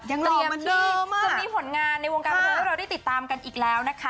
ยังหล่อเหมือนเดิมอะจะมีผลงานในวงการเพิ่มเราได้ติดตามกันอีกแล้วนะคะ